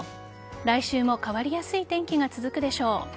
来週も変わりやすい天気が続くでしょう。